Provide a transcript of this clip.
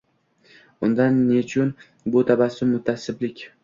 Unda nechun bu taassub, mutaassiblik?!